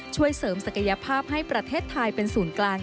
ช่วยเสริมศักยภาพให้ประเทศไทยเป็นศูนย์กลาง